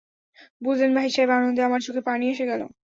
বুঝলেন ভাইসাহেব, আনন্দে আমার চোখে পানি এসে গেল।